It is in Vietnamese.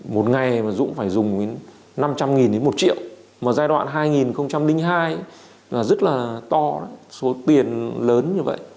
một ngày mà dũng phải dùng đến năm trăm linh đến một triệu mà giai đoạn hai nghìn hai là rất là to số tiền lớn như vậy